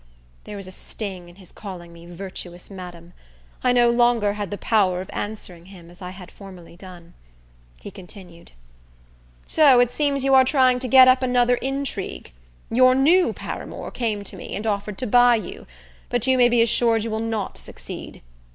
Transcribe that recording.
There was a sting in his calling me virtuous madam. I no longer had the power of answering him as I had formerly done. He continued: "So it seems you are trying to get up another intrigue. Your new paramour came to me, and offered to buy you; but you may be assured you will not succeed.